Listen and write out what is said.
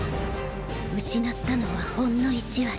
失ったのはほんの一割。